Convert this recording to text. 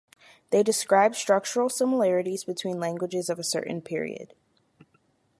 They describe structural similarities between languages of a certain period.